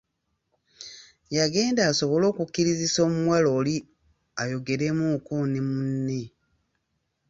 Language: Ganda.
Yagenda asobole okukkirizisa omuwala oli ayogeremuuko ne munne.